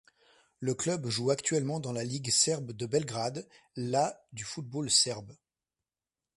Le club joue actuellement dans la Ligue serbe de Belgrade, la du football serbe.